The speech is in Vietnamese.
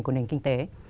của nền kinh tế